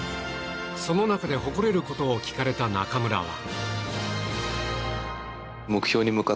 その中で誇れることを聞かれた中村は。